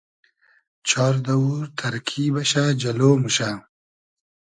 چار دئوور تئرکی بئشۂ جئلۉ موشۂ